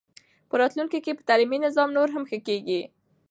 په راتلونکي کې به تعلیمي نظام نور هم ښه کېږي.